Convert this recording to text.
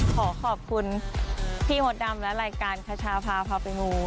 ขอขอบคุณพี่มดดำและรายการคชาพาพาไปมู